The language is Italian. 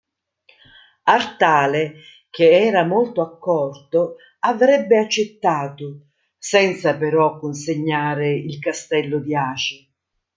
Artale che era molto accorto avrebbe accettato, senza però consegnare il castello di Aci.